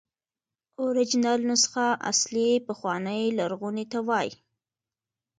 اوریجنل نسخه اصلي، پخوانۍ، لرغوني ته وایي.